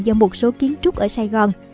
do một số kiến trúc ở sài gòn